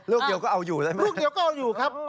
ลูกเดียวก็เอาอยู่ใช่ไหมครับลูกเดียวก็เอาอยู่ครับ